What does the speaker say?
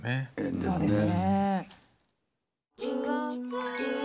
そうですね。